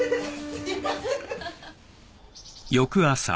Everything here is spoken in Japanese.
すいません。